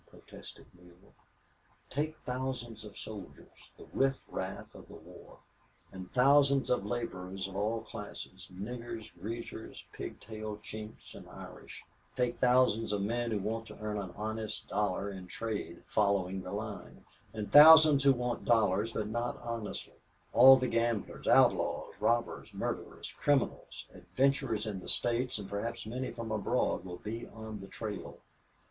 protested Neale. "Take thousands of soldiers the riffraff of the war and thousands of laborers of all classes, niggers, greasers, pigtail chinks, and Irish. Take thousands of men who want to earn an honest dollar, but not honestly. All the gamblers, outlaws, robbers, murderers, criminals, adventurers in the States, and perhaps many from abroad, will be on the trail.